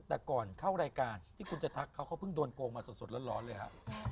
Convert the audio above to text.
แต่ก่อนเข้ารายการที่คุณจะทักเขาเขาเพิ่งโดนโกงมาสดร้อนเลยฮะ